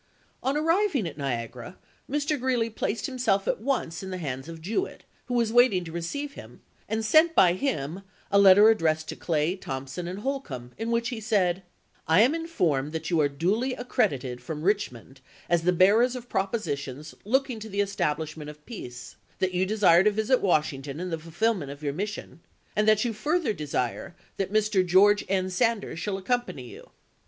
On arriving at Niagara, Mr. Greeley placed himself at once in the hands of Jewett, who was waiting to receive him, and sent by him a letter addressed to Clay, Thompson, and Holcombe, in which he said :" I am informed that you are duly accredited from Eichmond as the bearers of propositions look ing to the establishment of peace ; that you desire to visit Washington in the fulfillment of your mis sion ; and that you further desire that Mr. GeorgQ HORACE GREELEY'S PEACE MISSION 191 N. Sanders shall accompany you.